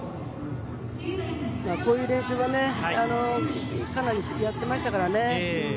こういう練習はかなりやってましたからね。